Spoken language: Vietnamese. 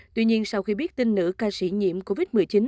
tuy nhiên sau khi biết tin nữ ca sĩ nhiễm covid một mươi chín